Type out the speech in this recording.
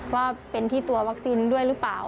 ว่าเป็นที่ตัววัคซีนด้วยหรือเปล่า